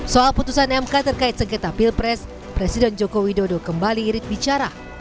soal putusan mk terkait sengketa pilpres presiden joko widodo kembali irit bicara